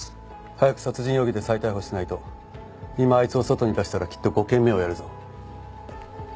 早く殺人容疑で再逮捕しないと今あいつを外に出したらきっと５件目をやるぞ。